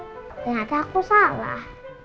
ternyata aku salah